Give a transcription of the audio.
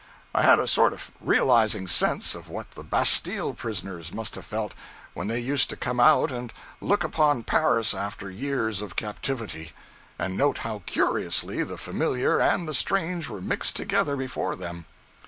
I had a sort of realizing sense of what the Bastille prisoners must have felt when they used to come out and look upon Paris after years of captivity, and note how curiously the familiar and the strange were mixed together before them.